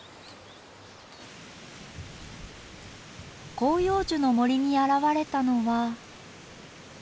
広葉樹の森に現れたのは。